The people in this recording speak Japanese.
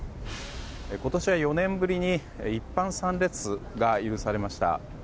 今年は４年ぶりに一般参列が許されました。